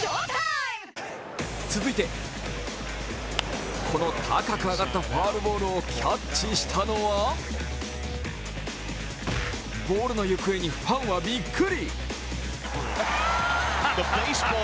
続いてこの高く上がったファウルボールをキャッチしたのはボールの行方にファンはびっくり。